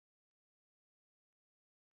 دا د دې لامل شو چې ښځه رهبره شي.